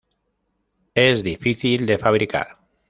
Es difícil de fabricar.